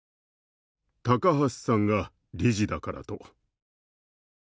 高橋さんが理事だからと」